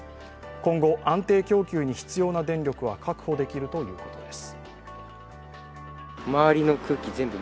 今後、安定供給に必要な電力は確保できるということです。